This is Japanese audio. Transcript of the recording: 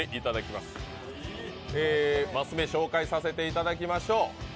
ます目紹介させていただきましょう。